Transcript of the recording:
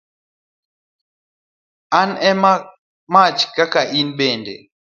An e mach kaka in bende.